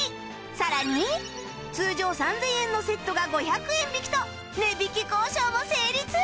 さらに通常３０００円のセットが５００円引きと値引き交渉も成立